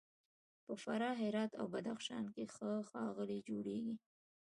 په فراه، هرات او بدخشان کې ښه غالۍ جوړیږي.